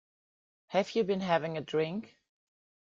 Have you been having a drink?